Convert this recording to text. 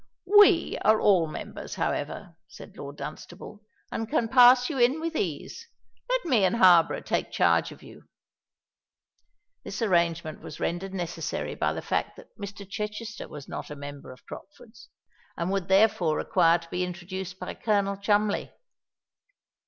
"We are all members, however," said Lord Dunstable; "and can pass you in with ease. Let me and Harborough take charge of you." This arrangement was rendered necessary by the fact that Mr. Chichester was not a member of Crockford's, and would, therefore, require to be introduced by Colonel Cholmondeley.